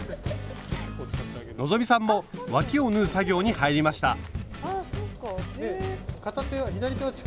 希さんもわきを縫う作業に入りました。